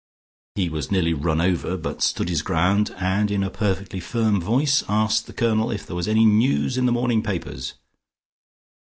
He was nearly run over, but stood his ground, and in a perfectly firm voice asked the Colonel if there was any news in the morning papers.